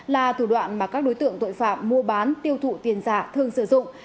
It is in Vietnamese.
là thủ đoạn mà các đối tượng tội phạm mua bán tiêu thụ tiền giả thường sử dụng